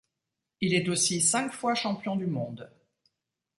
Il est aussi cinq fois champion du monde.